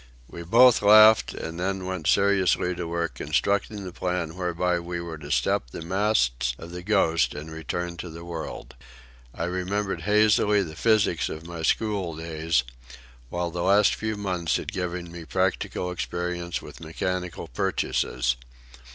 We both laughed, and then went seriously to work constructing the plan whereby we were to step the masts of the Ghost and return to the world. I remembered hazily the physics of my school days, while the last few months had given me practical experience with mechanical purchases.